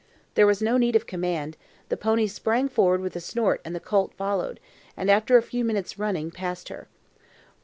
There was no need of command; the pony sprang forward with a snort and the colt followed, and after a few minutes' running, passed her.